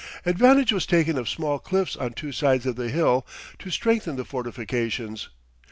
Advantage was taken of small cliffs on two sides of the hill to strengthen the fortifications.